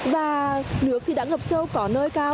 và nước thì đã ngập sâu có nơi cao